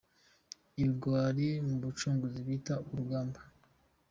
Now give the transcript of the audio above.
– Ibigwari mu Bacunguzi bita urugamba;